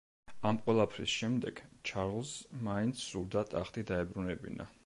ამ ყველაფრის შემდეგ, ჩარლზს მაინც სურდა ტახტი დაებრუნებინა.